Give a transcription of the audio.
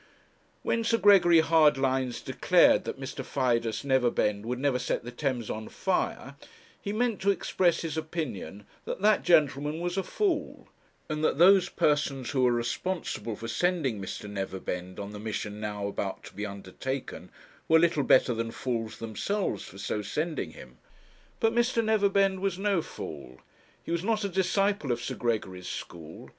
When Sir Gregory Hardlines declared that Mr. Fidus Neverbend would never set the Thames on fire, he meant to express his opinion that that gentleman was a fool; and that those persons who were responsible for sending Mr. Neverbend on the mission now about to be undertaken, were little better than fools themselves for so sending him. But Mr. Neverbend was no fool. He was not a disciple of Sir Gregory's school.